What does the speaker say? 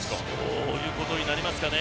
そういうことになりますかね。